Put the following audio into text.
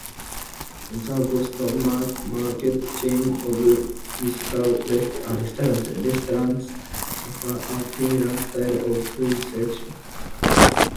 The Boston Market chain of restaurants offers a similar style of food selection.